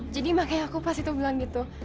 jadi makanya aku pas itu bilang gitu